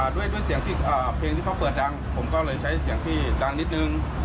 ด้วยเสียงที่เพลงที่เขาเปิดดังผมก็เลยใช้เสียงที่ดังนิดนึง